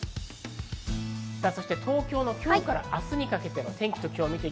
東京の今日から明日にかけての天気と気温です。